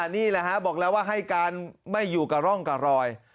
นี่แหละฮะบอกแล้วว่าให้การไม่อยู่กับร่องกับรอย